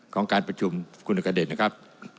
ของการประชุมคุณอัคเดชนะครับ